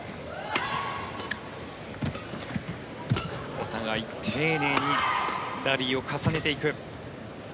お互い丁寧にラリーを重ねていく。